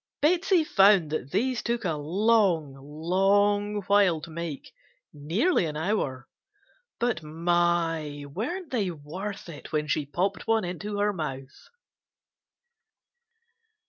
Betsey found that these took a long, long while to make, nearly an hour, but my! weren't they worth it when she popped one into her mouth!